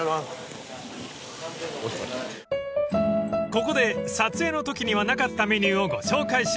［ここで撮影のときにはなかったメニューをご紹介します］